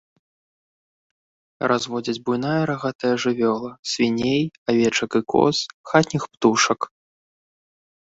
Разводзяць буйная рагатая жывёла, свіней, авечак і коз, хатніх птушак.